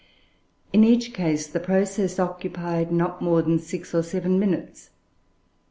In each case the process occupied not more than six or seven minutes.